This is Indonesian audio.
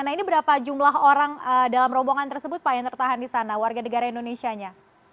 nah ini berapa jumlah orang dalam rombongan tersebut pak yang tertahan di sana warga negara indonesia nya